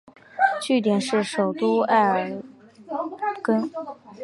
据点是首都艾尔甸。